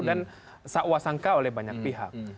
dan seuasangka oleh banyak pihak